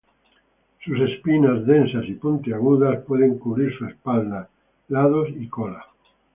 Sus espinas, densas y puntiagudas, pueden cubrir su espalda, los lados y la cola.